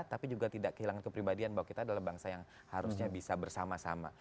tapi juga tidak kehilangan kepribadian bahwa kita adalah bangsa yang harusnya bisa bersama sama